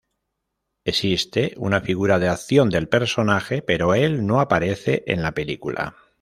Existe una figura de acción del personaje pero el no aparece en la película